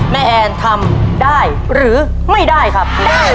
แอนทำได้หรือไม่ได้ครับ